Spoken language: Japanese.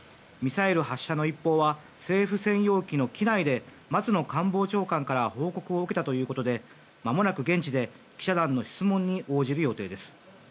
ミサイル発射の一報は政府専用機の機内で松野官房長官から報告を受けてたということでまもなく現地で記者団の質問に応じる予定です。